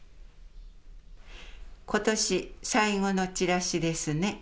ことし最後のチラシですね。